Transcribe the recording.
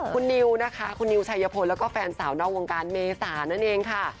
คุณนิวนะคะคุณนิวชัยพลแล้วก็แฟนสาวนอกวงการเมษานั่นเองค่ะ